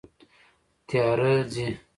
تیاره ځي